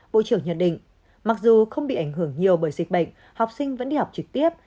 bộ trưởng nhận định mặc dù không bị ảnh hưởng nhiều bởi dịch bệnh học sinh vẫn đi học trực tiếp